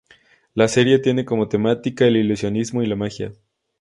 La serie tiene como temática el ilusionismo y la magia.